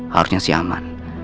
harusnya si aman